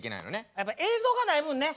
やっぱり映像がない分ね。